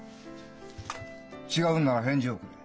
違うんなら返事をくれ。